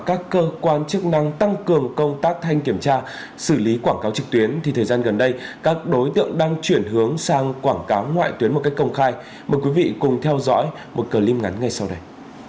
các cơ quan chức năng tăng cường công tác thanh kiểm tra xử lý quảng cáo trực tuyến thì thời gian gần đây các đối tượng đang chuyển hướng sang quảng cáo ngoại tuyến một cách công khai mời quý vị cùng theo dõi một clip ngắn ngay sau đây